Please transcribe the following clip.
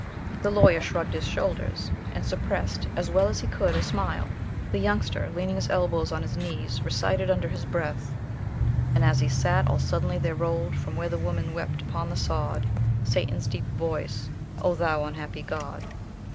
The Lawyer shrugged his shoulders, and suppressed, as well as he could, a smile. The Youngster, leaning his elbows on his knees, recited under his breath: "And as he sat, all suddenly there rolled, From where the woman wept upon the sod, Satan's deep voice, 'Oh Thou unhappy God.'"